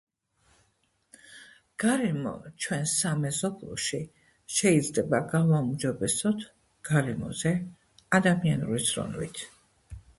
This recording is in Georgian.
გარემო ჩვენს სამეზობლოში შეიძლება გავაუმჯობესოთ გარემოზე ადამიანური ზრუნვით.